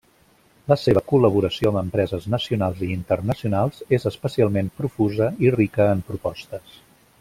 La seva col·laboració amb empreses nacionals i internacionals és especialment profusa i rica en propostes.